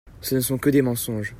Ce ne sont que des mensonges !